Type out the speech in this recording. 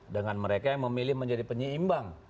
dengan mereka yang memilih menjadi penyeimbang